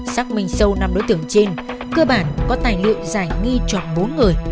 xác minh sâu năm đối tượng trên cơ bản có tài liệu giải nghi chọn bốn người